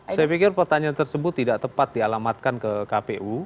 saya pikir pertanyaan tersebut tidak tepat dialamatkan ke kpu